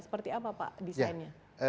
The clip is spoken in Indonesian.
seperti apa pak desainnya